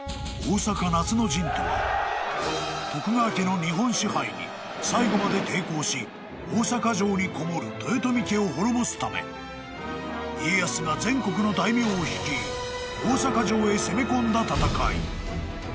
［徳川家の日本支配に最後まで抵抗し大坂城にこもる豊臣家を滅ぼすため家康が全国の大名を率い大坂城へ攻め込んだ戦い］